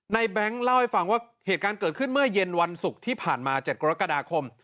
แบงค์เล่าให้ฟังว่าเหตุการณ์เกิดขึ้นเมื่อเย็นวันศุกร์ที่ผ่านมา๗กรกฎาคม